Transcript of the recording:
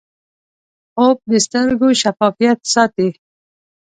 خوب د سترګو شفافیت ساتي